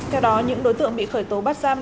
theo đó những đối tượng bị khởi tố bắt giam